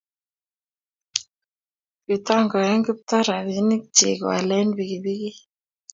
Kitangoi Kiptoo rabinik chik koale pikipikit